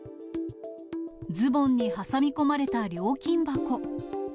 ズボンに挟み込まれた料金箱。